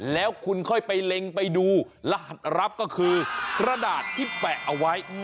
แล้วคุณค่อยไปเล็งไปดูรหัสรับก็คือกระดาษที่แปะเอาไว้